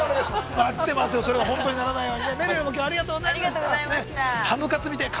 ◆待ってますよ、それが本当にならないように。